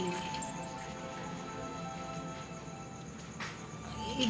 mbak boleh nginep sini ya rina